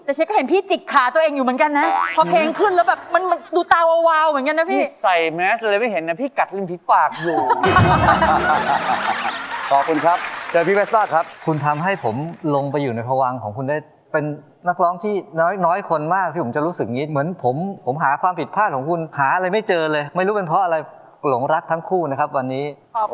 แต่ฉันก็เห็นพี่จิกขาตัวเองอยู่เหมือนกันนะพอเพลงขึ้นแล้วแบบมันดูตาวาวเหมือนกันนะพี่